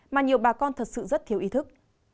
mà nhiều bà con thật sự rất thiếu ý thức